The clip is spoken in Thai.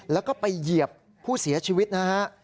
แล้วก็ไปเหยียบผู้เสียชีวิตนะฮะ